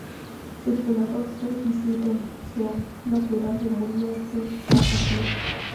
Su fundador fue Ysidro Gil, natural de Muriel de Zapardiel.